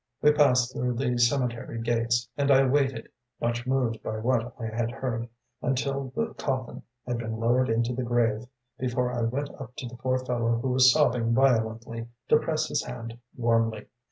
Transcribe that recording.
‚ÄĚ We passed through the cemetery gates and I waited, much moved by what I had heard, until the coffin had been lowered into the grave, before I went up to the poor fellow who was sobbing violently, to press his hand warmly.